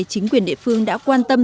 chính quyền địa phương đã quan tâm